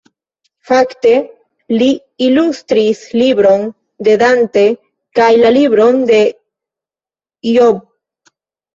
Fakte, li ilustris libron de Dante kaj la libron de Ijob.